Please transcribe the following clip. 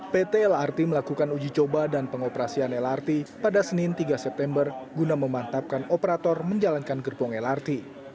pt lrt melakukan uji coba dan pengoperasian lrt pada senin tiga september guna memantapkan operator menjalankan gerbong lrt